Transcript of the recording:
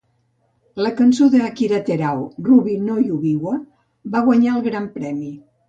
La cançó d'Akira Terao "Ruby no Yubiwa" va guanyar el Gran Premi.